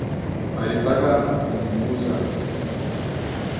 Alitaka mjukuu sana